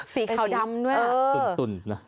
สีขาวดำด้วยอะ